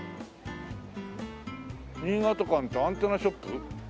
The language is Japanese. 新潟館ってアンテナショップ？